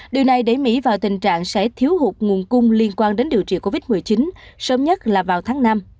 điều này đẩy mỹ vào tình trạng sẽ thiếu hụt nguồn cung liên quan đến điều trị covid một mươi chín sớm nhất là vào tháng năm